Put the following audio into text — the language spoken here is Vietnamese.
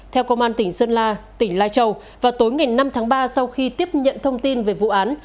theo công an tỉnh sơn la tỉnh lai châu vào tối ngày năm tháng ba sau khi tiếp nhận thông tin về vụ án